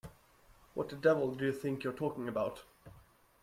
What the devil do you think you're talking about?